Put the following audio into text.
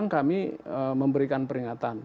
kami memberikan peringatan